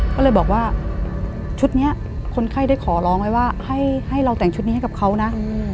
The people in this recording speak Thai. ก็เลยบอกว่าชุดนี้คนไข้ได้ขอร้องไว้ว่าให้เราแต่งชุดนี้ให้กับเขานะ